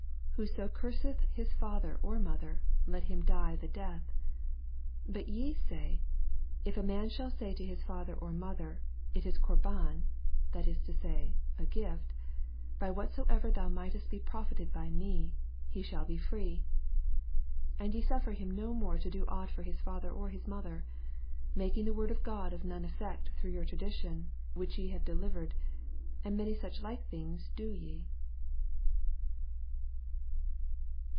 Whoso curseth father or mother, let him die the death : 11 But ye say, If a man shall say to his father or mother, It is Corban, that is to say, a gift, by whatsoever thou mightest be profited by me ; he sliatt be free. 12 And ye suffer him no more to do ought for his father or his mother ; 13 Making the word of God of none eifect through your tradition, which ye have delivered : and many sucb like things do ye.